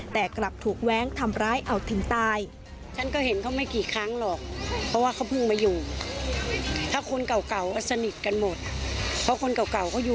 แต่กลับถูกแว้งทำร้ายเอาถึงตาย